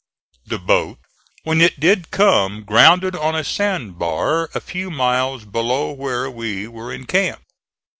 The boat, when it did come, grounded on a sand bar a few miles below where we were in camp.